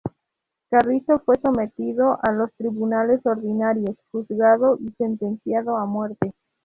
Carrizo fue sometido a los tribunales ordinarios, juzgado y sentenciado a muerte.